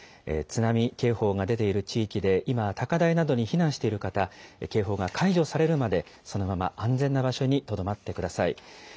津波警報が出ている地域で、今、高台などに避難している方、警報が解除されるまで、そのまま安全な場所にとどまってください。